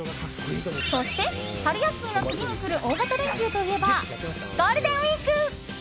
そして、春休みの次に来る大型連休といえばゴールデンウィーク。